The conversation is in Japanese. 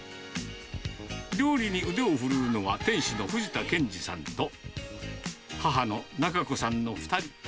料理に腕を振るうのは店主の藤田賢治さんと、母の仲子さんの２人。